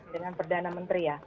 dengan perdana menteri ya